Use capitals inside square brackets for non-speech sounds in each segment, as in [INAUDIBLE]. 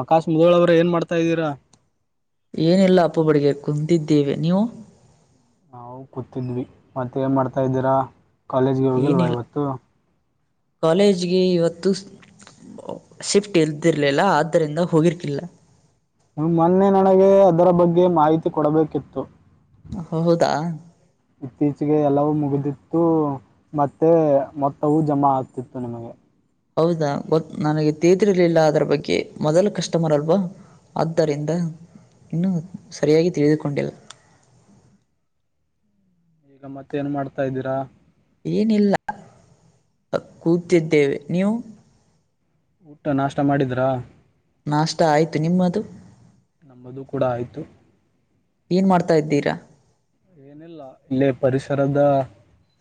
ಆಕಾಶ್ ಮುದಳ ಅವ್ರ ಏನ್ ಮಾಡ್ತಾ ಇದ್ದೀರಾ ಏನೆಲ್ಲ ಅಪ್ಪ ಬಡಿಗೆ ಕುಂದಿದ್ದೇವೆ ನೀವು ನಾವು ಕೂತಿದ್ವಿ ಮತ್ತುತ್ತ ಏನು ಮಾಡ್ತಾಯಿದ್ದೀರಾ ಕಾಲೇಜ್ಗೆ ಹೋಗಿಲ್ವ ಏನಿಲ್ಲ ಇವತ್ತು ಕಾಲೇಜ್ಗೆ ಇವತ್ತು ಶಿಫ್ಟ್ ಇಲ್ದಿರ್ಲಿಲ್ಲ ಆದ್ದರಿಂದ ಹೋಗಿರ್ಕಿಲ್ಲ ಮೊನ್ನೆ ನನಗೆ ಅದರ ಬಗ್ಗೆ ಮಾಹಿತಿ ಕೊಡಬೇಕಿತ್ತು ಹೌದಾ ಇತ್ತೀಚಿಗೆ ಎಲ್ಲವೂ ಮುಗಿದ ಮತ್ತೆ ಮೊತ್ತವು ಜಮಾ ಆಗ್ತಿತ್ತು ನಿಮಗೆ ಹೌದಾ ಗೊ ನನಗೆ ತಿಳಿದಿರ್ಲಿಲ್ಲ ಅದರ ಬಗ್ಗೆ ಮೊದಲ ಕಸ್ಟಮರ್ ಅಲ್ವಾ ಆದ್ದರಿಂದ ಇನ್ನೂ ಸರಿಯಾಗಿ ತಿಳಿದುಕೊಂಡಿಲ್ಲ [INAUDIBLE] ಈಗ ಮತ್ತೇ ಏನ್ ಮಾಡ್ತಾ ಇದ್ದೀರಾ ಏನಿಲ್ಲ ಕೂತಿದ್ದೇವೆ ನೀವು ಊಟ ನಾಷ್ಟ ಮಾಡಿದ್ರಾ ನಾಷ್ಟ ಆಯ್ತು ನಿಮ್ಮದು ನಂಬದು ಕೂಡ ಆಯ್ತು ಏನ್ ಮಾಡ್ತಾ ಇದ್ದೀರಾ ಏನಿಲ್ಲ ಇಲ್ಲಿ ಪರಿಸರದ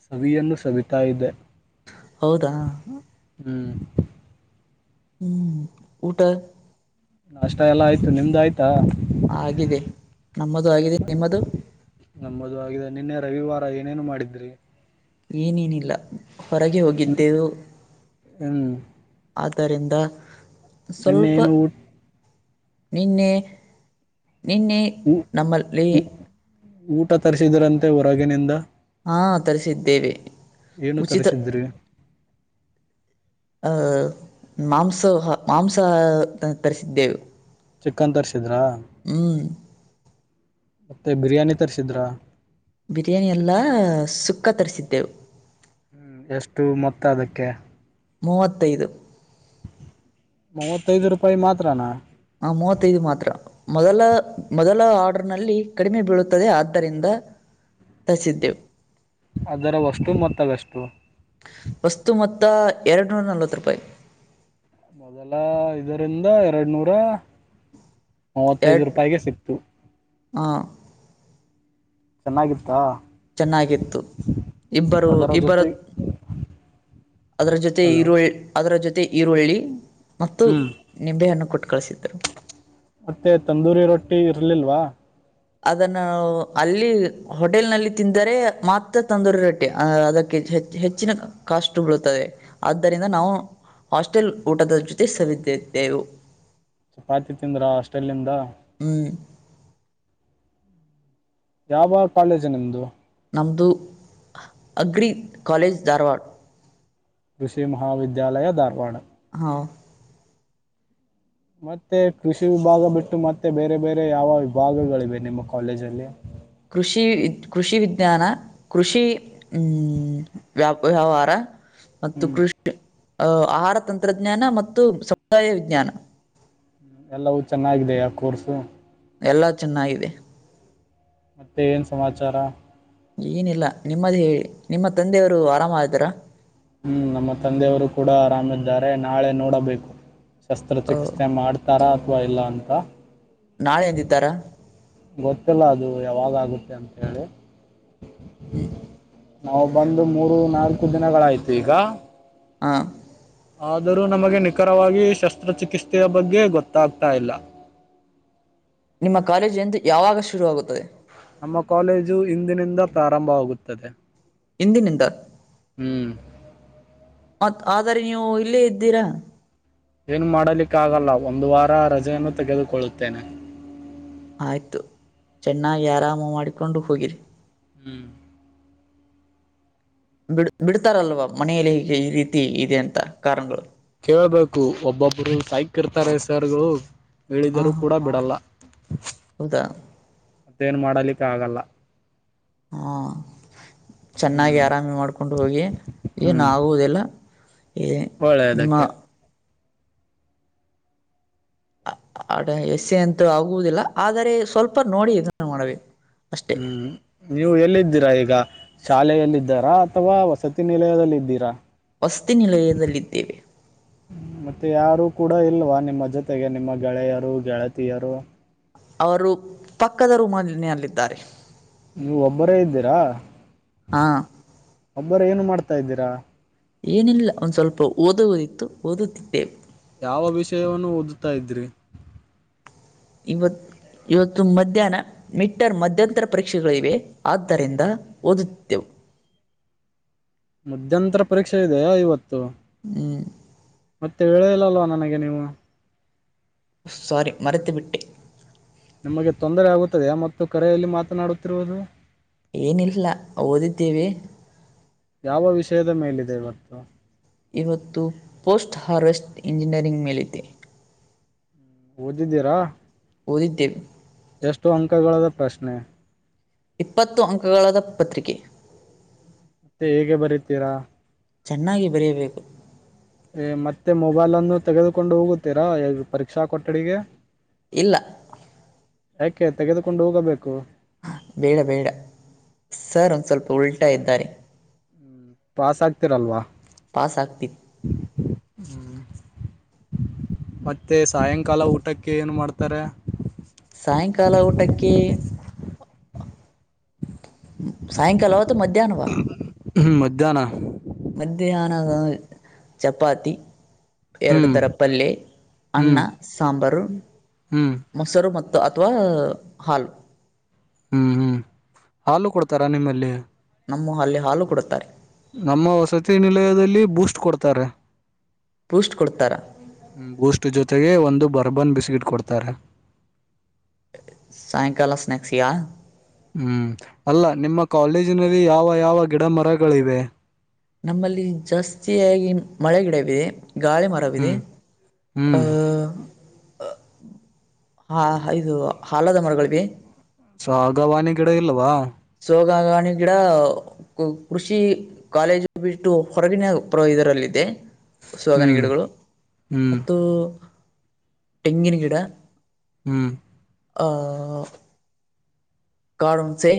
ಸವಿಯನ್ನು ಸವಿತಾ ಇದೆ ಹೌದಾ ಹ್ಮ್ ಹ್ಮ್ ಊಟ ಅಷ್ಟ ಎಲ್ಲ ಆಯ್ತು ನಿಮ್ದ ಆಯ್ತಾ ಆಗಿದೆ ನಮ್ಮದು ಆಗಿದೆ ನಿಮ್ಮದು ನಮ್ಮದು ಆಗಾಗಿದೆ ನಿನ್ನೆ ರವಿವಾರ ಏನೇನು ಮಾಡಿದ್ರಿ ಏನೇನಿಲ್ಲ ಹೊರಗೆ ಹ್ಮ್ ಹೋಗಿದ್ದೇವು ಹ್ಮ್ ಆದ್ದರಿಂದ ಸ್ವಲ್ಪ ನಿನ್ನೇನು ನಿನ್ನೆ ನಿನ್ನೆ ಊ ನಮ್ಮಲ್ಲಿ ಊ ಊಟ ತರಿಸಿದ್ರಂತೆ ಹೊರಗಿನಿಂದ ಹಾ ತರಿಸಿದ್ದೇವೆ ಏನು ಉಚಿತ ತರಿಸಿದ್ರಿ ಆ ಮಾಂಸ ಮಾಂಸ ತರಿಸಿದ್ದೆವು ಚಿಕನ್ ತರ್ರಿಸಿದ್ರಾ ಹ್ಞೂ ಮತ್ತೆ ಬಿರಿಯಾನಿ ತರ್ಸಿದ್ರಾ ಬಿರಿಯಾನಿ ಎಲ್ಲ ಸುಕ್ಕ ತರಿಸಿದ್ದೆವು ಹ್ಮ್ ಎಷ್ಟು ಮೊತ್ತ ಅದಕ್ಕೆ ಮೂವತ್ತೈದು ಮೂವತ್ತೈದು ರೂಪಾಯಿ ಮಾತ್ರನಾ ಹ ಮೂವತ್ತೈದು ಮಾತ್ರ ಮೊದಲ ಮೊದಲ ಆರ್ಡರ್ ನಲ್ಲಿ ಕಡಿಮೆ ಬೀಳುತ್ತದೆ ಆದ್ದರಿಂದ ತರಿಸಿದ್ದೇವು ಅದರ ವಷ್ಟ್ಟುಮೊತ್ತವೆಷ್ಟು ಎರಡು ನೂರ ನಲವತ್ತು ರೂಪಾಯಿ ಮೊದಲ ಇದರಿಂದ ಎರಡ್ ನೂರ ಮೂವತ್ತೈದು ಎರಡು ರೂಪಾಯಿಗೆ ಸಿಕ್ತು ಆ ಚೆನ್ನಾಗಿತ್ತಾ ಚೆನ್ನಾಗಿತ್ತು ಇಬ್ಬರು ಅದರ ಇಬ್ಬರು ಜೊತೆ ಅದರ ಜೊತೆ ಹಲೋ ಈರುಳ್ಳ ಅದರ ಜೊತೆ ಮತ್ತು ಈರುಳ್ಳಿ ಮತ್ತು ಹ್ಮ್ ನಿಂಬೆಹಣ್ಣ ಕೊಟ್ಟು ಕಳಿಸಿದ್ದರು ಮತ್ತೆ ತಂದೂರಿ ರೊಟ್ಟಿ ಇರ್ಲಿಲ್ವಾ ಅದನ್ನು ಅಲ್ಲಿ ಹೋಟೆಲ್ ನಲ್ಲಿ ತಿಂದರೆ ಮಾತ್ರ ತಂದೂರಿ ರೊಟ್ಟಿ ಅ ಅದಕ್ಕೆ ಹೆಚ್ಚು ಹೆಚ್ಚು ಹೆಚ್ಚಿನ ಕಾಸ್ಟ್ ಬೀಳುತ್ತದೆ ಆದ್ದರಿಂದ ನಾವು ಹಾಸ್ಟೆಲ್ ಊಟದ ಜೊತೆ ಸವಿದಿದ್ದೆವು ಚಪಾತಿ ತಿಂದ್ರಾ ಹಾಸ್ಟೆಲ್ ಇಂದ ಹ್ಮ್ ಯಾವ ಕಾಲೇಜ್ ನಿಮ್ದು ನಮ್ದು ಅಗ್ರಿ ಕಾಲೇಜ್ ಧಾರವಾಡ ಕೃಷಿ ಮಹಾವಿದ್ಯಾಲಯ ಧಾರವಾಡ ಹಾ ಮತ್ತೆ ಕೃಷಿ ವಿಭಾಗ ಬಿಟ್ಟು ಮತ್ತೆ ಬೇರೆ ಬೇರೆ ಯಾವ ವಿಭಾಗಗಳಿವೆ ನಿಮ್ಮ ಕಾಲೇಜಲ್ಲಿ ಕೃಷಿ ಕೃಷಿ ವಿಜ್ಞಾನ ಕೃಷಿ ವ್ಯಾಪ ವ್ಯವಹಾರ ಮತ್ತು ಹ್ಮ್ ಕೃಷಿ ಅ ಆಹಾರ ತಂತ್ರಜ್ಞಾನ ಮತ್ತು ಸಮುದಾಯ ವಿಜ್ಞಾನ ಎಲ್ಲವೂ ಚೆನ್ನಾಗಿದಿಯಾ ಕೋರ್ಸು ಎಲ್ಲಾ ಚೆನ್ನಾಗಿದೆ ಮತ್ತೆ ಏನ್ ಸಮಾಚಾರ ಏನಿಲ್ಲ ನಿಮ್ಮದ ಹೇಳಿ ನಿಮ್ಮ ತಂದೆಯವರು ಆರಾಮ ಆದರ ಹ್ಮ್ ನಮ್ಮ ತಂದೆಯವರು ಕೂಡ ಆರಾಮಿದ್ದಾರೆ ನಾಳೆ ನೋಡಬೇಕು ಆ, ಶಸ್ತ್ರಚಿಕಿತ್ಸೆ ಮಾಡ್ತಾರಾ ಅಥವಾ ಇಲ್ಲ ಅಂತ ನಾಳೆ ಎಂದಿದ್ದಾರ ಗೊತ್ತಿಲ್ಲ ಅದು ಯಾವಾಗಾಗುತ್ತೆ ಅಂತ ಹೇಳಿ ಹ್ಮ್ ನಾವು ಬಂದು ಮೂರು ನಾಲ್ಕು ದಿನಗಳಾಯ್ತು ಈಗ ಹಾ ಆದರೂ ನಮಗೆ ನಿಖರವಾಗಿ ಶಸ್ತ್ರಚಿಕಿತ್ಸೆಯ ಬಗ್ಗೆ ಗೊತ್ತಾಗ್ತಾ ಇಲ್ಲ ನಿಮ್ಮ ಕಾಲೇಜ್ ಎಂದು ಯಾವಾಗ ಶುರುವಾಗುತ್ತದೆ ನಮ್ಮ ಕಾಲೇಜು ಇಂದಿನಿಂದ ಪ್ರಾರಂಭವಾಗುತ್ತದೆ ಇಂದಿನಿಂದ ಹ್ಮ್ ಮತ್ತ್ ಆದರೆ ನೀವು ಇಲ್ಲೇ ಇದ್ದೀರಾ ಏನ್ ಮಾಡಲಿಕ್ಕ ಆಗಲ್ಲ ಒಂದು ವಾರ ರಜೆಯನ್ನು ತೆಗೆದುಕೊಳ್ಳುತ್ತೇನೆ ಆಯ್ತು ಚೆನ್ನಾಗಿ ಆರಾಮ ಮಾಡಿಕೊಂಡು ಹೋಗಿರಿ ಹ್ಮ್ ಬಿಡ್ ಬಿಡ್ತಾರಲ್ವಾ ಮನೆಯಲ್ಲಿ ಹೀಗೆ ಈ ರೀತಿ ಇದೆ ಅಂತ ಕಾರಣಗಳು ಹಬೇಕು ಒಬ್ಬೊಬ್ರು ಸೈಕ್ ಇರ್ತಾರೆ ಸರ್ಗಳು ಹೇಳಿದರೂ ಹಾ ಕೂಡ ಬಿಡಲ್ಲ ಹೌದಾ ಮತ್ತೇನ್ ಮಾಡಲಿಕ್ಕ ಆಗಲ್ಲ ಹಾ ಚೆನ್ನಾಗಿ ಹ್ಮ್ ಆರಾಮಿ ಮಾಡ್ಕೊಂಡು ಹೋಗಿ ಏನ್ ಹ್ಮ್ ಆಗುವದೆಲ್ಲ ನಿಮ್ಮ ಒಳ್ಳೆಯದಕ್ಕೆ ಅಡ ಎಸೆ ಅಂತ ಆಗುವುದಿಲ್ಲ ಆದರೆ ಸ್ವಲ್ಪ ನೋಡಿ ಇದನ್ನು ಮಾಡಬೇಕು ಅಷ್ಟೇ ಹ್ಮ್ ನೀವು ಎಲ್ಲಿದ್ದೀರಾ ಈಗ ಈಗ ಶಾಲೆಯಲ್ಲ ಇದಿದ್ದಾರಾ ಅಥವಾ ವಸತಿ ನಿಲಯದದಲ್ಲಿ ಇದ್ದೀರಾ ವಸ್ತಿ ನಿಲಯದಲ್ಲಿದ್ದೇವೆ ಮತ್ತೆ ಯಾರು ಕೂಡ ಇಲ್ವಾ ನಿಮ್ಮ ಜೊತೆಗೆ ನಿಮ್ಮ ಗೆಳೆಯರು ಗೆಳತಿಯರು ಅವರು ಪಕ್ಕದ ರೂಮನ ಅಲ್ಲಿದ್ದಾರೆ ನೀವು ಒಬ್ಬರೇ ಇದ್ದೀರಾ ಹಾಂ ಒಬ್ಬರ ಏನು ಮಾಡ್ತಾ ಇದ್ದೀರಾ ಏನಿಲ್ಲ ಒಂದ್ ಸ್ವಲ್ಪ ಓದುವಓದಿತ್ತು ಓದುತ್ತಿದ್ದೇ ಯಾವ ವಿಷಯವನ್ನು ಓದುತ್ತಾ ಇದ್ರಿ ಇವತ್ತು ಇವತ್ತು ಮಧ್ಯಾಹ್ನ ಮೀಟರ್ ಮಧ್ಯಂತರ ಪರೀಕ್ಷೆಗಳಿವೆ ಆದ್ದರಿಂದ ಓದುತ್ತೆವು ಮಧ್ಯಂತರ ಪರೀಕ್ಷೆ ಇದೆಯಾ ಇವತ್ತು ಹ್ಮ್ ಮತ್ತೆ ಹೇಳಳದಿಲ್ಲಲ್ವಾ ನನಗೆ ನೀವು ಸಾರಿ ಮರೆತು ಬಿಿಟ್ಟೆ ನಿಮಗೆ ತೊಂದರೆ ಆಗುತ್ತದೆ ಮತ್ತು ಕರೆಯಲ್ಲಿ ಮಾತನಾಡುತ್ತಿರುವುದು ಏನಿಲ್ಲ ಓದಿದ್ದೇವಿ ಯಾವ ವಿಷಯದ ಮೇಲಿದೆದೆ ಇವತ್ತು ಇವತ್ತು ಪೋಸ್ಟ್ ಹಾರ್ವೆಸ್ಟ್ ಇಂಜಿನಿಯರಿಂಗ್ ಮೇಲಿದೆ ಓದಿದ್ದೀರಾ ಓದಿದ್ದೇವೆ ಎಷ್ಟು ಅಂಕಗಳದ ಪ್ರಶ್ನೆ ಇಪ್ಪತ್ತು ಅಂಕಗಳಾದ ಪತ್ರಿಕೆ ಮತ್ತೆ ಹೇಗೆ ಬರತೀರಾ ಚೆನ್ನಾಗಿ ಬರೆಯಬೇಕು ಏ ಮತ್ತೆ ಮೊಬೈಲ್ ಅನ್ನು ತೆಗೆದುಕೊಂಡು ಹೋಗುತ್ತೀರಾ ಪರೀಕ್ಷಾ ಕೊಠಡಿಗೆ ಇಲ್ಲ ಯಾಕೆ ತೆಗೆದುಕೊಂಡು ಹೋಗಬೇಕು ಬೇಡ ಬೇಡ ಸರ್ ಒಂದ ಸ್ವಲ್ಪ ಉಲ್ಟಾ ಇದ್ದಾರೆ ಹ್ಮ್, ಪಾಸ್ ಆಗ್ತಿರಲ್ವಾ ಪಾಸ್ ಆಗ್ತಿತ್ತು ಮತ್ತೆ ಸಾಯಂಕಾಲ ಊಟಕ್ಕೆ ಏನು ಮಾಡ್ತಾರೆ ಸಾಯಂಕಾಲ ಊಟಕ್ಕೆ ಸಾಯಂಕಾಲವತ್ತು ಮಧ್ಯಾಹ್ನವಾ ಹ್ಮ ಮಧ್ಯಾಹ್ನ ಮಧ್ಯಾಹನದ ಚಪಾತಿ ಎರಡು ಹ್ಮ್ ತರ ಪಲ್ಯ ಅನ್ನ ಹ್ಮ್ ಸಾಂಬಾರು ಹ್ಮ್ ಮೊಸರು. ಮತ್ತು ಅಥವಾ ಹಾಲು ಹ್ಮ್ ಹ್ಮ್ ಹಾಲು ಕೊಡ್ತಾರಾ ನಿಮ್ಮಲ್ಲಿ ನಮ್ಮ ಅಲ್ಲಿ ಹಾಲು ಕೊಡುತ್ತಾರೆ ನಮ್ಮ ವಸತಿ ನಿಲಯದಲ್ಲಿ ಬೂಸ್ಟ್ ಕೊಡ್ತಾರೆ ಬೂಸ್ಟ್ ಕೊಡ್ತಾರ ಬೂಸ್ಟ್ ಜೊತೆಗೆ ಒಂದು ಬರ ಬರ್ಬನ್ ಬಿಸ್ಕಿಟ್ ಕೊಡ್ತಾರೆ ಸಾಯಂಕಾಲ ಸ್ ನಕ್ಸಿಯಾ ಹ್ಮ್ ಅಲ್ಲ ನಿಮ್ಮ ಕಾಲೇಜಿನಲ್ಲಿ ಯಾವ ಯಾವ ಗಿಡ ಮರಗಳಿವೆ ನಮ್ಮಲ್ಲಿ ಜಾಸ್ತಿಯಾಗಿ ಮಳೆಗಿಡವಿದೆ ಗಾಳಿ ಮರವಿದೆ ಹ್ಮ್ ಹ್ಮ್ ಹಾ ಇದು ಹಾಲದ ಮರಗಳೀವೆ ಸೊ ಆಗವಾಣಿ ಗಿಡ ಇಲ್ಲವಾ ಯೋಗಾಗಾಣೆ ಗಿಡ ಕೃಷಿ ಕಾಲೇಜು ಬಿಟ್ಟು ಹೊರಗಿನ ಇದರಲ್ಲಿದೆ ಸಗನ ಹ್ಮ್ ಗಿಡಗಳು ಹ್ಮ್ ಮತ್ತು ತೆಂಗಿನ ಗಿಡ ಹ್ಮ್ ಹ ಕಾಡು ಹಣಸೆ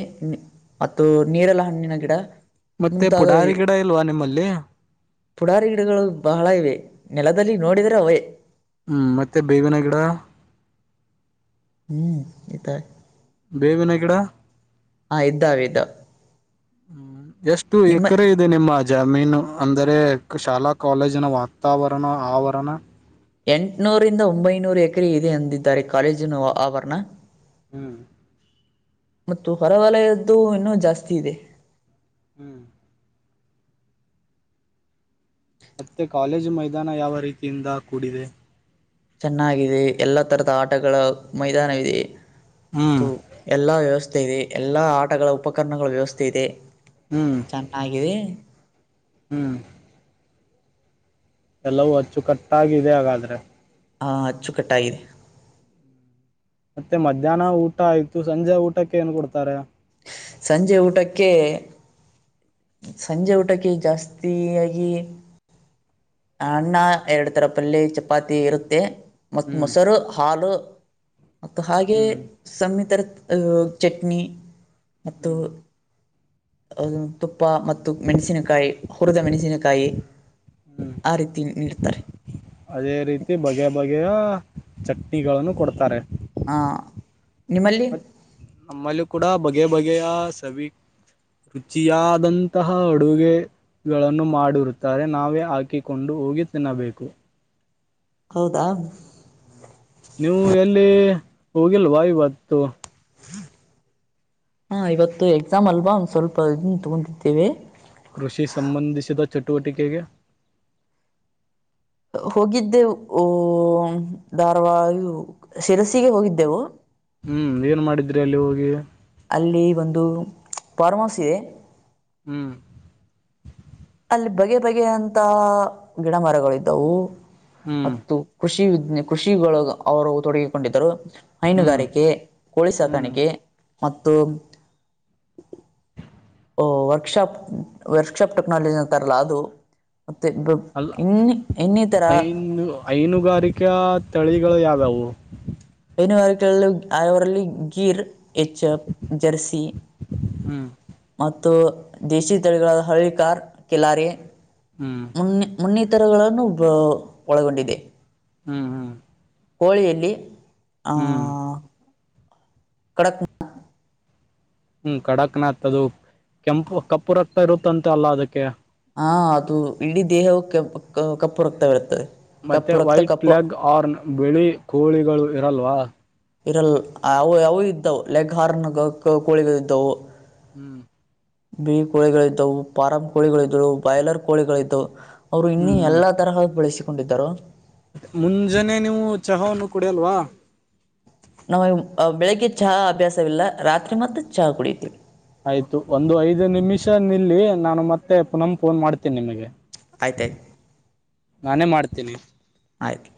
ಮತ್ತು ನೀರೆಲ್ಲ ಹಣ್ಣಿನ ಗಿಡ ಮತ್ತೆ ಪುಡಾರಿ ಮುಂತಾದವು ಗಿಡ ಇಲ್ವಾ ನಿಮ್ಮಲ್ಲಿ ಪುಡಾರಿ ಗಿಡಗಳು ಬಹಳ ಇವೆ ನೆಲದಲ್ಲಿ ನೋಡಿದರೆ ಅವೆ ಹ್ಮ್ ಮತ್ತೆ ಬೇವನ ಗಿಡ ಹ್ಮ್ ಈತಾಯ ಬೇವಿನ ಕಡ ಹಾ ಇದ್ದಾವ ಇದ್ದ ಹ್ಮ್ ಎಷ್ಟು ಎಕರೆ ಇದೆ ನಿಮ್ಮ ಜಮೀನು ಅಂದರೆ ಶಾಲಾ ಕಾಲೇಜಿನ ವಾತಾವರಣ ಆವರಣ ಎಂಟಟ್ನೂರಿಂದ ಒಂಬೈನೂರು ಎಕರೆ ಇದೆ ಎಂದಿದ್ದಾರೆ ಕಾಲೇಜಿನ ಆವರಣ. ಹ್ಮ್ ಮತ್ತು ಹೊರವಲಯದ್ದು ಇನ್ನೂ ಜಾಸ್ತಿ ಇದೆ ಹ್ಮ್ ಮತ್ತೆ ಕಾಲೇಜು ಮೈದಾನ ಯಾವ ರೀತಿಯಿಂದ ಕೂಡಿದೆ ಚೆನ್ನಾಗಿದೆ ಎಲ್ಲ ತರದ ಆಟಗಳ ಮೈದಾನವಿದೆ ಹ್ಮ್ ಎಲ್ಲಾ ವ್ಯವಸ್ಥೆ ಇದೆ ಎಲ್ಲಾ ಆಟಗಳ ಉಪಕರಣಗಳ ವ್ಯವಸ್ಥೆ ಇದೆ ಹ್ಮ್ ಚೆನ್ನಾಗಿದೆ ಹ್ಮ್ ಎಲ್ಲವೂ ಅಚ್ಚುಕಟ್ಟಾಗಾಗಿದೆ ಹಾಗಾದ್ರೆ ಹಾ ಅಚ್ಚುಕಟ್ಟ ಇದೆ. ಮತ್ತೆ ಮಧ್ಯಾಹ್ನ ಊಟ ಆಯ್ತು ಸಂಜೆ ಊಟಕ್ಕೆ ಏನ್ ಕೊಡ್ತಾರೆ? ಸಂಜೆ ಊಟಕ್ಕೆ ಸಂಜೆ ಊಟಕ್ಕೆ ಜಾಸ್ತಿಯಾಗಿ ಅನ್ನ ಎರಡು ತರ ಪಲ್ಲಿ ಚಪಾತಿ ಇರುತ್ತೆ ಮತ್ ಹ್ಮ್ ಮೊಸರು ಹಾಲು ಮತ್ತು ಹಾಗೆ ಹ್ಮ್ ಸಮಿಿತರ ಚಟ್ನಿ ಮತ್ತು ಹ್ಮ್ ತುಪ್ಪ ಮತ್ತು ಮೆಣಸಿನಕಾಯಿ ಹುರಿದ ಮೆಣಸಿನಕಾಯಿ ಹ್ಮ್ ಆ ರೀತಿ ನೀಡ್ತಾರೆ ಅದೇ ರೀತಿ ಬಗೆಯ ಬಗೆಯ ಚಟ್ನಿಗಳನ್ನು ಕೊಡ್ತಾರೆ ಹಾಂ ನಿಮ್ಮಲ್ಲಿ ನಮ್ಮಲ್ಲಿ ಕೂಡ ಬಗೆಯ ಬಗೆಯ ಸವಿ ರುಚಿಯಾದಂತಹ ಅಡುಗೆ ಗಳನ್ನು ಮಾಡಿರುತ್ತಾರೆ ನಾವೇ ಹಾಕಿಕೊಂಡು ಹೋಗಿ ತಿನ್ನಬೇಕು. ಹೌದಾ? ನೀವು ಎಲ್ಲಿ ಹೋಗಿಲ್ವಾಯವತ್ತು? ಹಾ ಇವತ್ತು ಎಕ್ಸಾಮ್ ಅಲ್ವಾ ಒಂದ ಸ್ವಲ್ಪ ಇದನ್ ತಗೊತಿದ್ದೇವೆ. ಕೃಷಿ ಸಂಬಂಧಿಸಿದ ಚಟುವಟಿಕೆಗೆ ಹೋಗಿದ್ದೆವು ಧಾರವಾಡ ಶಿರಸಿಗೆ ಹೋಗಿದ್ದೆವು. ಹ್ಮ್ ಏನ್ ಮಾಡಿದ್ರಿ ಅಲ್ಲಿ ಹೋಗಿ ಅಲ್ಲಿ ಒಂದು ಫಾರ್ಮ್ ಹೌಸ್ ಇದೆ ಹ್ಮ್ ಅಲ್ಲಿ ಬಗೆ ಬಗೆಯಂತ ಗಿಡ ಮರಗಳು ಇದ್ದವು ಹ್ಮ್ ಮತ್ತು ಖುಷಿ ಕೃಷಿಗಳು ಅವರು ತೊಡಗಿಕೊಂಡಿದ್ದರು ಹ್ಮ್ ಹೈನುಗಾರಿಕೆ ಕೋಳಿ ಹ್ಮ್ ಸಾಕಾಣಿಕೆ ಮತ್ತು ವರ್ಕ್ಶಾಪ್ ವರ್ಕ್ಶಾಪ್ ಟೆಕ್ನಾಲಜಿ ಅಂತಾರಲ್ಲ ಅದು ಮತ್ತು ಬ ಅಲ್ಲ ಇನ್ನು ಇನ್ನಿತರ ಐನು ಐನುಗಾರಿಕೆ ತಳಿ ಗಳು ಯಾವವು? ಹೈನುಗಾರಿಕೆ ಆಯವರಲ್ಲಿ ಗೀರ್ ಎಚ್ಚಪ್ ಜರ್ಸಿ ಹ್ಮ್ ಮತ್ತು ಮತ್ತು ದೇಶೀ ತಳಿಗಳಾದ ಹಳಿ ಕಾರ್ ಕೆಲಾರೆ ಹ್ಮ್ ಮು ಮುನ್ನೆ ಇತ್ತರಗಳನ್ನು ಬ ಒಳಗೊಂಡಿದೆ ಹ್ಮ್ ಹ್ಮ್ ಹೋಳಿಯಲ್ಲಿ ಹ್ಮ್ ಕಡಕ್ನಾ ಹ್ಮ್ ಕಡಕ್ನ ಆತದು ಕೆಂಪು ಕಪ್ಪು ರಕ್ತ ಇರುತ್ತಂತೆ ಅಲ್ಲ ಅದಕ್ಕೆ ಹಾ ಅದು ಇಡೀ ದೇಹವು ಕಪ್ಪು ರಕ್ತವಿರುತ್ತದೆ. ಮತ್ತೆ ಕಪ್ಪು ರಕ್ತ ವೈಟ್ ಕಪ್ಪು ಲೆಗ್ ಆರ್ನ್ ಬಿಳಿ ಕೋಳಿಗಳು ಇರಲ್ವಾ ಇರಲ್ಲ ಅವು ಅವು ಇದ್ದವು ಲೆಗ್ ಹಾರ್ನ್ ಕೋಳಿ ಇದ್ದವು. ಹ್ಮ್ ಬಿಿ ಕೋಳಿಗಳಿದ್ದವು ಫಾರಂ್ ಕೋಳಿಗಳಿದ್ದವು ಬಾಯ್ಲರ್ ಕೋಳಿಗಳಿದ್ದವು ಅವರು ಹ್ಮ್ ಇನ್ನ ಹ್ಮ್ ಎಲ್ಲಾ ತರಹ ಬೆಳೆಸಿಕೊಂಡಿದ್ದರು. ಮುಂಜಾನೆ ನೀವು ಚಹಾವನ್ನು ಕುಡಿಯಲ್ವಾ? ನಾವ ಬೆಳಿಗ್ಗೆ ಚಹ ಅಭ್ಯಾಸವಿಲ್ಲ ರಾತ್ರಿ ಮತ್ರ ಚಹಾ ಕುಡತಿವಿ. ಆಯ್ತು ಒಂದು ಐದು ನಿಮಿಷ ನಿಲ್ಲಿ ನಾನು ಮತ್ತೆ ಪುನಮ ಫೋನ್ ಮಾಡ್ತೇನಿ ನಿಮಗೆ ಆಯ್ತಾಯ್ತು ನಾನೇ ಮಾಡ್ತೀನಿ ಆಯ್ತು